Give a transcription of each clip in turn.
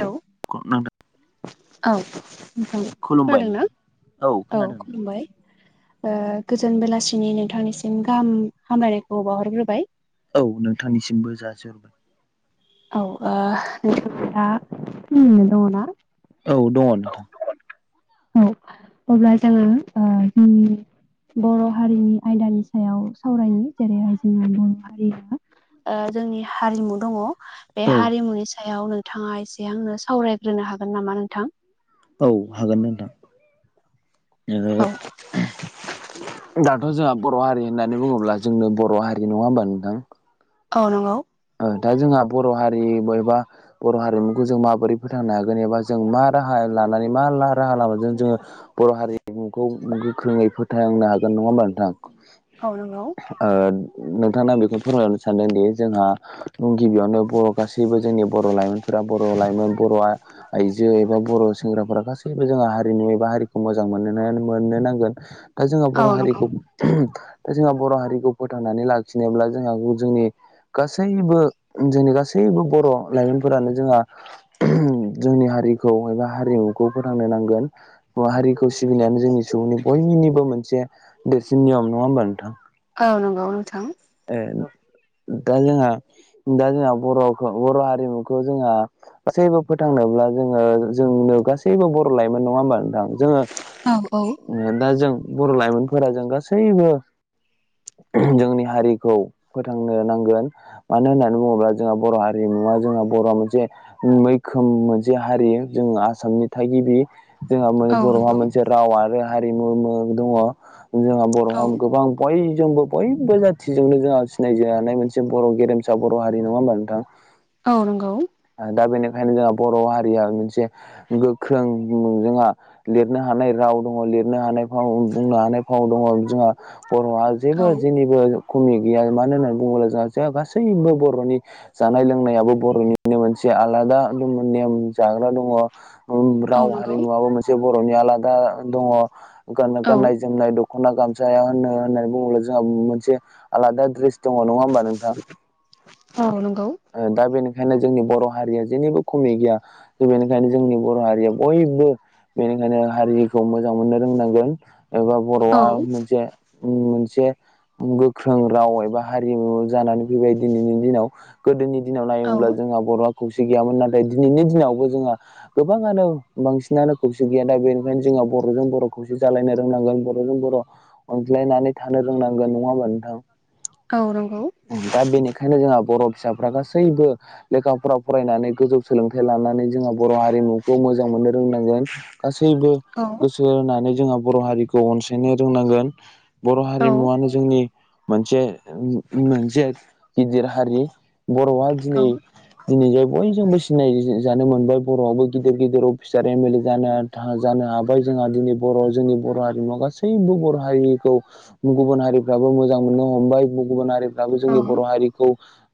Hello औ नोंथां खुलुमबाय खोनादोंना नोंथां औ खोनादों नोंथां खुलुमबाय। ओ गोजोन बेलासिनि नोंथांनिसिम गाहाम हामलायनायखौ बावहरग्रोबाय। औ नोंथांनिसिमबो जासिहरबाय। औ ओ नोंथाङा फ्रियैनो दङना? औ दङ नोंथां। औ अब्ला जोङो ओ ओम बर' हारिनि आयदानि सायाव सावरायनि। जेरैहाय जोंहा बर' हारिया ओ जोंनि हारिमु दङ। बे औ हारिमुनि सायाव नोंथाङा एसे आंनो सावरायग्रोनो हागोन नामा नोंथां? औ हागोन नोंथां। ओ औ दाथ' जोंहा बर' हारि होननानै बुङोब्ला जोंनो बर' हारि नङा होमबा नोंथां? औ नंगौ। ओ दा जोंहा बर' हारि बबेबा बर' हारिमुखौ जों माबोरै फोथांनो हागोन एबा जों मा राहा लानानै मा ला राहा लामाजों जोङो बर' हारिमुखौ गोख्रोङै फोथांनो हागोन नङा होमबा नोंथां? औ नंगौ। ओ नोंथांनो आं बेखौनो फोरमायहरनो सानदोंदि जोंहा गिबियावनो बर' गासैबो जोंनि बर' लाइमोनफोरा बर' लाइमोन बर'आ आइजो एबा बर' सेंग्राफोरा गासैबो जोंहा हारिमु एबा हारिखौ मोजां मोननोनो मोननो नांगोन। दा जोंहा औ बर' नंगौ हारिखौ दा जोंहा बर' हारिखौ फोथांनानै लाखिनोब्ला जोंहा जोंनि सैनिबो जोंनि गासैबो बर' लाइमोनफोरानो जोंहा जोंनि हारिखौ एबा हारिमुखौ फोथांनो नांगोन। बर हारिखौ सिबिनायानो जोंनि सुबुंनि बयनिनिबो मोनसे देरसिन नियम नङा होमबा नोंथां? औ नंगौ नोंथां। ए दा जोंहा दा जोंहा बर'खो बर' हारिमुखौ जोंहा गासैबो फोथांनोब्ला जोङो जोंनो गासैबो बर' लाइमोन नङा होमबा नोंथां जोङो औ औ। उम दा जों बर' लाइमोनफोरा जों गासैबो जोंनि हारि खौ फोथांनो नांगोन। मानो होननानै बुङोब्ला जोंहा बर' हारिमुवा जोंहा बर'आ मोनसे मैखोम मोनसे हारि जोङो आसामनि थागिबि। जोंहा माने औ बर'हा नंगौ मोनसे राव आरो हारिमु दङ' जोंहा बर'हा औ गोबां बयजोंबो बयबो जेन थिजोंनो जोंहा सिनायजानाय मोनसे बर' गेरेमसा बर' हारि नङा होमबा नोंथां? औ नंगौ। ओ दा बेनिखायनो जोंहा बर' हारिया मोनसे गोख्रों जोंहा लिरनो हानाय राव दङ' लिरनो हानाय फाव बुंनो हानाय फाव दङ' जोंहा बर'हा औ जेबो जेनिबो खमि गैया मानो होननानै बुङोब्ला जोंहा जेहा गासैबो बर'नि जानाय लोंनायाबो बर'नि मोनसे आलादा नेम जाग्रा दङ' ओम औ राव नंगौ हारिमुवाबो मोनसे बर'नि आलादा दङ' गान औ गाननाय जो जोमनाय दख'ना गामसाया होन होननानै बुङोब्ला जोंहा मोनसे आलादा ड्रेस दङ'। नङा होमबा नों औ नंगौ। ओ दा बेनि खायनो जोंनि बर' हारिया जेनिबो खमि गैया जों बेनिखायनो जोंनि बर' हारिया बयबो बेनिखायनो हारिखौ मोजां मोननो रोंनांगोन एबा औ बर'आ मोनसे उम मोनसे गोख्रों राव एबा हारिमु जानानै फैबाय दिनैनि दिनाव। गोदोनि दिनाव औ नायोमोब्ला जोंहा बर'आ खौसे गैयामोन नाथाय दिनैनि दिनावबो जोंहा गोबाङानो बांसिनानो खौसे गैया दा बेनिखायनो जोंहा बर'जों बर' खौसे जालायनो रोंनांगोन बर'जों बर' अनज्लायनानै थानो रोंनांगोन नङा होमबा नोंथां? औ नंगौ। दा बेनिखायनो जोंहा बर' फिसाफ्रा गासैबो लेखा फरा फरायनानै गोजौ सोलोंथाइ लानानै जोंहा बर' हारिमुखौ मोजां मोननो रोंनांगोन। गासैबो औ सो होनानै जोंहा बर' हारिखौ अनसायनो रोंनांगोन बर' औ हारिमुवानो जोंनि मोनसे मोनसे गिदिर हारि बर'आ औ दिनै दिनै जाय बयजोंबो सिनाय जानो मोनबाय बर'आवबो गिदिर गिदिर अफिसार एम एल ए जानो जानो हाबाय जोंहा दिनै बर' जोंनि बर' हारिमुवा गासैबो बर' हारिखौ गुबुन हारिफ्राबो मोजां मोननो हमबाय गुबुन हारि दाबो औ जोंनि बर' हारिखौ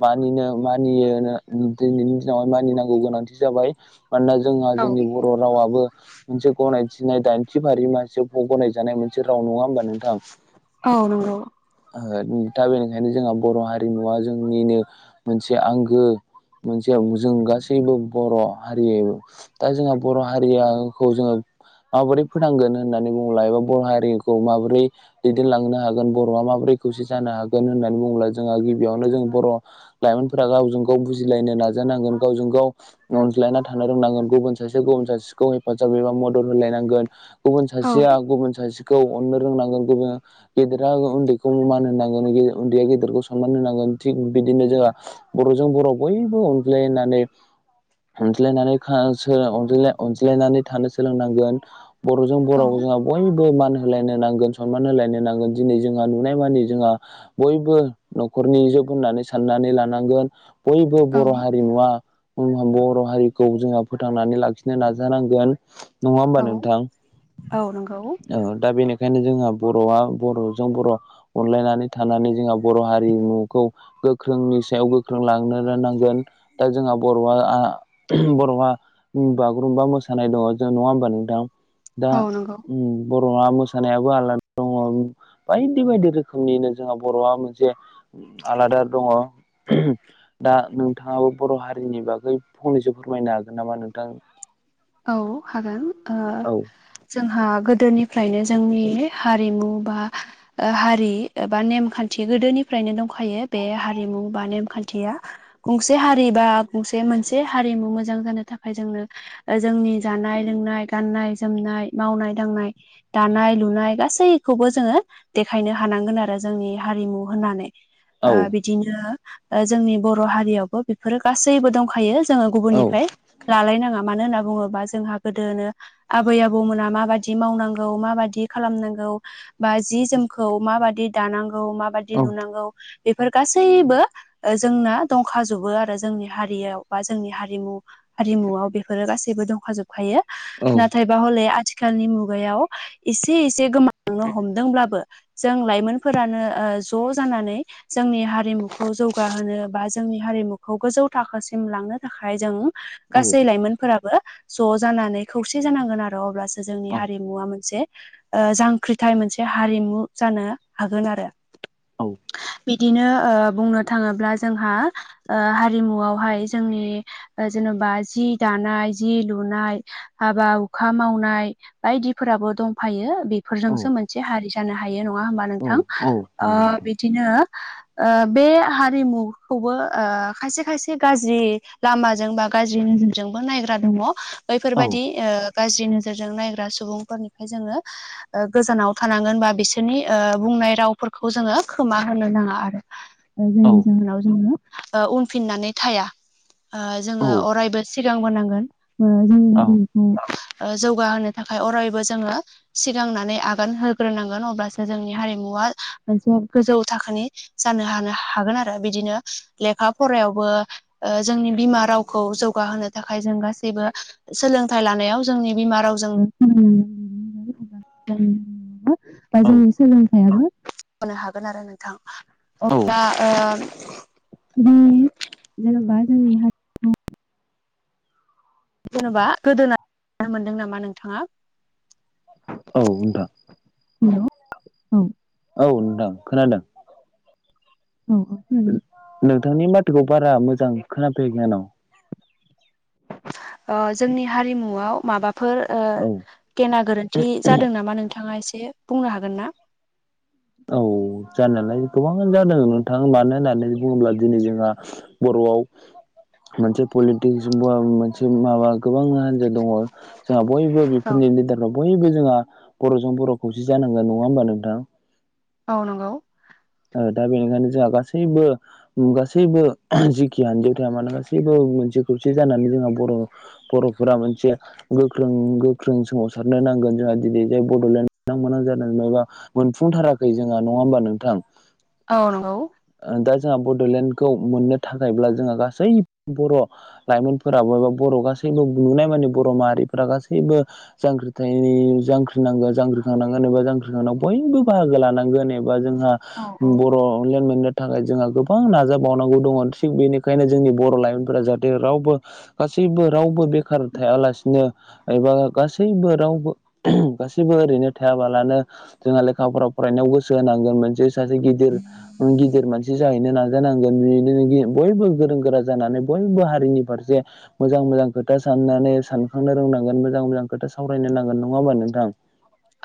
मानिनो मानियो नो दिनैनि दिनावहाय मानिनांगौ गोनांथि जाबाय मानोना जोंहा औ जोंनि ब' बर' रावाबो मोनसे गनायथिनाय दाइनथि फारि मासे गनायजानाय मोन से राव नङा होमबा नोंथां? औ नंगौ दा बेनिखायनो जोंहा बर' हारिमुवा जोंनिनो मोनसे आंगो। मोनसे जों गासैबो बर' हारि दा जोंहा बर' हारियाखौ जोङो माबोरै फोथांगोन होननानै बुंब्ला एबा बर' हारिखौ माबोरै दैदेनलांनो हागोन बर'आ माबोरै खौसे जानो हागोन होननानै बुङोब्ला जोंहा गिबियावनो जों बर' लाइमोनफोरा गावजों गाव बुजिलायनो नाजानांगोन गावजों गाव अनज्लायना थानो रोंनांगोन गुबुन सासे गुबुन सासेखौ हेफाजाब एबा मदद होलायनांगोन। गुबुन औ सासेआ गुबुन सासेखौ अननो रोंनांगोन गुबुन गेदेरा उन्दैखौ मान होनांगोन उन्दैआ गेदेरखौ सनमान होनांगोन थिग बिदिनो जोंहा बर'जों बर' बयबो अनज्लायनानै अनज्लायनानै था सो अनज्लायनानै थानो सोलोंनांगोन बर'जों बर' जोंहा बयबो मान होलायनो नांगोन सनमान होलायनो नांगोन दिनै जोंहा नुनाय माने जोंहा बयबो न'खरनि जुग होननानै साननानै लानांगोहोन बयबो औ बर' हारिमुआ उम बर' हारिखौ जोंहा फोथांनानै लाखिनो नाजानांगोन नङा होमबा औ नोंथां औ नंगौ ओ दा बेनिखायनो जोंहा बर'आ बर'जों बर' अनलायनानै थानानै जोंहा बर' हारिमुखौ गोख्रोंनि सायाव गोख्रों लाना थांनो रोंनांगोन दा जोंहा बर'आ आं उम बर'आ उम बागुरुम्बा मोसानाय दङ जों नङा होमबा नोंथां दा औ नंगौ उम बर'आ मोसानायाबो आलादा दं उम बायदि बायदि रोखोमनिनो जोंहा बर'आ मोनसे आलादा दङ उम दा नोंथांआबो बर' हारिनि बागै फंनैसो फोरमायनो हागोन नामा नोंथां? औ हागोन ओ औ जोंहा गोदोनिफ्रायनो जोंनि हारिमु बा ओ हारि एबा नेमखान्थि गोदोनिफ्रायनो दंखायो बे हारिमु बा नेमखान्थिआ गंसे हारि बा गंसे मोनसे हारिमु मोजां जानो थाखाय जोंनो ओ जोंनि जानाय लोंनाय गाननाय जोमनाय मावनाय दांनाय दानाय लुनाय गासैखौबो जोङो देखायनो हानांगोन आरो जोंनि हारिमु होननानै औ ओ बिदिनो ओ जोंनि बर' हारिआवबो बेफोरो गासैबो दंखायो जोङो औ गुबुननिफ्राय लालायनांआ मानो होना बुं बुङोबा जोंहा गोदोनो आबै आबौमोना माबादि मावनांगौ माबादि खालामनांगौ बा जि जोमखौ माबादि दानांगौ माबादि लुनांगौ हो बेफोर गासैबो ओ जोंना दंखाजोबो आरो जोंनि हारिआव बा जोंनि हारिमु बे हारिमुआव बेफोरो गासै‌ गासैबो दंखाजोब खायो औ हो‌ नाथायबा हले आथिखालनि मुगायाव एसेसे गोमा लांनो हमदोंब्लाबो जों लाइमोनफोरानो ओ ज' जानानै जोंनि हारिमुखौ जौगाहोनो बा जोंनि हारिमुखौ गोजौ थाखोसिम लांनो थाखाय जों गासै औ लाइमोनफोराबो ज'जानानै खौसे जानांगोन आरो अब्लासो जोंनि औ हारिमुआ मोनसे ओ जांख्रिथाय मोनसे हारिमु जानो हागोन आरो ओम बिदिनो ओ बुंनो थाङोब्ला जोंहा हारिमुआवहाय जोंनि जेनोबा जि दानाय जि लुनाय हो हाबा हुखा मावनाय बायदिफोराबो दंफायो बे फोरजोंसो मोनसे हारि जानो हायो नङा होमबा औ नोंथां औ ओ नंगौ नोंथां बिदिनो ओ बे हारिमुखौबो ओ खायसे खायसे गाज्रि लामाजों बा गाज्रि नोजोरजोंबो नायग्रा दङ हो औ बैफोरबादि ओ गाज्रि नोजोरजों नायग्रा सुबुंफोर जोङो ओ गोजानाव थानांगोन बा बिसोरनि बुंनाय रावफोरखौ जोङो खोमा होनो नाङा आरो [inaudible] औ जायनि जाहोनाव ओ जोङो उनफिननानै थाया जोङो अरायबो सिगांबोनांगोन ओ जोंनि औ हारिमखौ ओ जौगाहोनो थाखाय अरायबो जोङो सिगांनानै आगान होग्रोनांगोन अब्लासो जोंनि हारिमुआ मोनसे गोजौ थाखोनि जानो हानो हागोन आरो बिदिनो लेखा फरायावबो ओ‌ जोंनि बिमा रावखौ जौगाहोनो थाखाय जों गासैबो जेबो सोलोंथाइ लानायाव जोंनि बिमा रावजों [unintelligible] बा जोंनि औ सोलोंथाइयाबो मावनो हागोन आरो नोंथां औ आ ओ बै जेनेबा जोंनि जेन'बा गोदोना मोनदों नामा नोंथाङा। औ नोंथां हेलौ औ औ नोंथां खोनादों। औ औ नोंथांनि माथोखौ बारा मोजां खोनाफैयाखै आंनाव ओ जोंनि हारिमुआव माबाफोर ओ औ गेना गोरोन्थि जादों नामा नोंथाङा एसे बुंनो हागोन ना औ जानायालाय गोबाङानो जादों नोंथां मानो होननानै बुङोब्ला दिनै जोंहा बर'आव मोनसे पलिटिसजोंबो आं मोनसे माबा गोबां हान्जा दङ जोंहा बयबो औ बेफोरनि लिदाराव बयबो जोंहा बर'जों बर' खौसे जानांगोन नङा होमबा नोंथां। औ नंगौ ओ दा बेनिखायनो जोंहा गासैबो उम गासैबो जिखि आनजायाव थाया मानो गासैबो मोनसे खौसे जानानै जोंहा बर' बर'फोरा मोनसे गोख्रों गोख्रों सोमावसारनो नांगोन जोंहा दिनै जे बड'लेण्ड नां मोनां जादों नंआबा मोनफुंथाराखै जोंहा नङा होमबा नोंथां। औ नंगौ। ओ दा जोंहा बड'लेण्डखौ मोननो थाखायब्ला जोंहा गासै बर' लाइमोनफोरा बयबो बर' गासैबो नुनाय माने बर' माहारिफोरा गासैबो जांख्रिथायनि जांख्रिनांगोन जांख्रिखांनांगोन एबा जांख्रिखांनायाव बयबो बाहागो लानांगोन ए बा जोंहा औ बर' लें नो थाखाय जोंहा गोबां नाजाबावनांगौ दङ' थिग बेनिखायनो जोंनि बर' लाइमोनफोरा जाहाथे रावबो गासैबो रावबो बेखार थायालासिनो एबा गासैबो रावबो गासैबो ओरैनो थायाबालानो जोंहा लेखाफोराव फरायनायाव गोसो होनांगोन मोनसे सासे गिदिर ओं गिदिर मानसि जाहैनो नाजानांगोन बिनो नोंनि बयबो गोरों गोरा जानानै बयबो हारिनि फारसे मोजां मोजां खोथा साननानै सानखांनो रोंनांगोन मोजां मोजां खोथा सावरायनो नांगोन नङा होमबा नोंथां।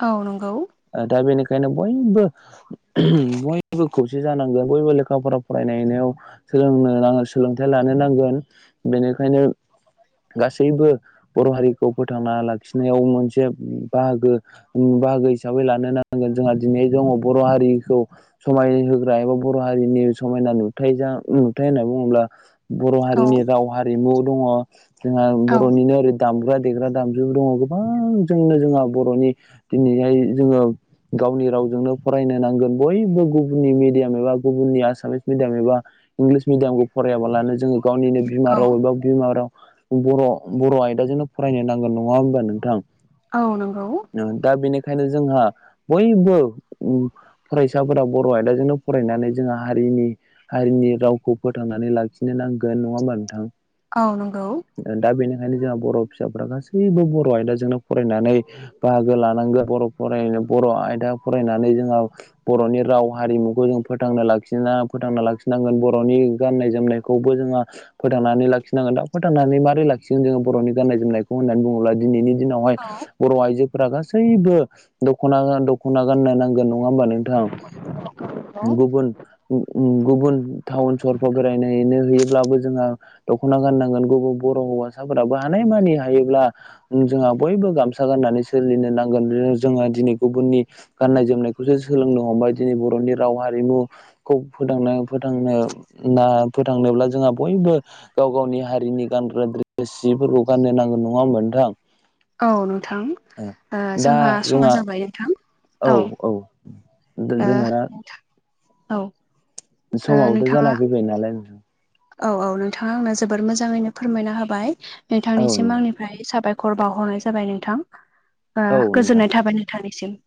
औ नंगौ। ओ दा बेनिखायनो बयबो बयबो खौसे जानांगोन बयबो लेखा फरा फरायनायनायाव सोलोंनो नाङो सोलोंथाइ लानो नांगोन। बेनिखायनो गासैबो बर' हारिखौ फोथांना लाखिनायाव मोनसे बाहागो उम बाहागो हिसाबै लानो नांगोन जोंहा दिनै दङ' बर' हारिखौ समाय होग्रा एबा बर' हारिनि समायना नुथाय जा नुथाय होनना बुङोब्ला बर' औ हारिनि राव हा रिमु दङ' जोंहा औ बर'निनो ओरै दामग्रा देग्रा दामजु दङ' गोबां जोंनो जोंहा बर'नि दिनैहाय जोङो गावनि रावजोंनो फरायनो नांगोन बयबो गु बुननि मिडियाम एबा गुबुननि आसामामिस मिडियाम एबा इंलिस मिडियामखौ फरायाबालानो जोङो गावनिनो बिमा औ राव एबा बिमा राव। बर' बर' आयदाजोंनो फरायनो नांगोन नङा होमबा नोंथां। औ नंगौ। नो दा बेनिखायनो जोंहा बयबो फरायसाफोरा बर' आयदाजोंनो फरायनानै जोंहा हारिनि हारिनि रावखौ फोथांनानै लाखिनो नांगोन नङा होमबा नोंथां? औ नंगौ। दा बेनिखायनो जोंहा बर' फिसाफोरा गासैबो बर' आयदाजोंनो फरायनानै बाहागो लानांगोन बर' फराय बर' आयदा फरायनानै जोंहा बर'नि राव हारिमुखौ जों फोथांना लाखिना फोथांना लाखिनांगोन बर'नि गाननाय जोमनायखौबो जोंहा फोथांनानै लाखिनांगोन दा फोथांनानै मारै लाखिगोन जोङो बर'नि गाननाय जोमनायखौ होननानै बुङोब्ला दिनैनि दिनावहाय औ बर' आइजोफोरा गासैबो दख'ना गा दख'ना गाननो नांगोन नङा होमबा नोंथां? [inaudible] गुबुन गु-गुबुन टाउन सहरफ्राव बेरायनायनो होयोब्लाबो जोंहा दख'ना गाननांगोन गुबुन बर' हौवासाफोराबो हानाय मानि हायोब्ला जोंहा बयबो गामसा गाननानै सोलिनो नांगोन जोङो दिनै गुबुननि गाननाय जोमनायखौसो सोलोंनो हमबाय दिनै बर'नि राव हारिमु खौ फोथांनो फोथांनो बा फोथांनोब्ला जोंहा बयबो गाव गावनि हारिनि गानग्रा द्रेस जिफोरखौ गाननो नांगोन नङा होनबा नोंथां? औ नोंथां ओ जोंहा समा जाबाय नोंथां। औ ओ जोंहा दा नोथां औ। ओ समाबोथ' जाना नोंथाङा फैबाय नालाय नोंथां। औ औ नोंथाङा आंनो जोबोर मोजाङैनो फोरमायना होबाय औ नोंथांनिसिम नोंथां आंनिफ्राय साबाय खर बावहरनाय जाबाय नोंथां ओ औ नोंथां गोजोननाय थाबाय नोंथांनिसिम।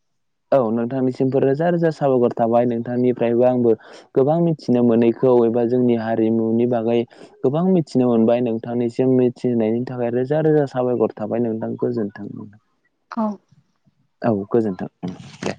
औ नोंथांनिसिमबो रोजा रोजा साबायखर थाबाय नोंथांनिफ्रायबो आंबो गोबां मिन्थिनो मोनैखौ एबा जोंनि हारिमुनि बागै गोबां मिन्थिनो मोनबाय नोंथांनिसिम मिथिनायनि थाखाय रोजा रोजा साबायखर थाबाय नोंथां गोजोन्थों। औ औ गोजोन्थों उम दे।